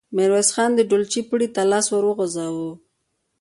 ميرويس خان د ډولچې پړي ته لاس ور وغځاوه.